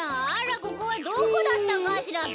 ここはどこだったかしらべ。